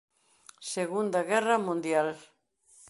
Segunda Guerra Mundial.